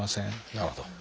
なるほど。